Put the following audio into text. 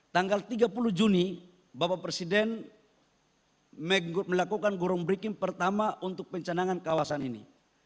tanggal tiga puluh juni bapak presiden melakukan gorong breaking pertama untuk pencanangan kawasan ini